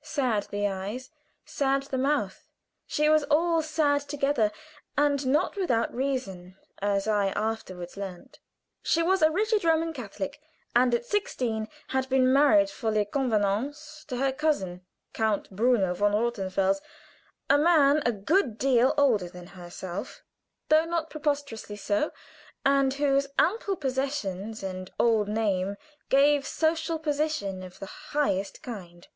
Sad the eyes, sad the mouth; she was all sad together and not without reason, as I afterward learned. She was a rigid Roman Catholic, and at sixteen had been married for les convenances to her cousin, Count Bruno von Rothenfels, a man a good deal older than herself, though not preposterously so, and whose ample possessions and old name gave social position of the highest kind.